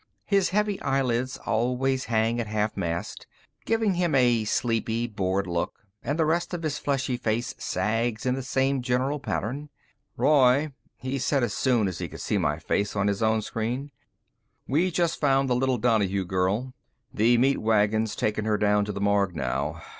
His heavy eyelids always hang at half mast, giving him a sleepy, bored look and the rest of his fleshy face sags in the same general pattern. "Roy," he said as soon as he could see my face on his own screen, "we just found the little Donahue girl. The meat wagon's taking her down to the morgue now.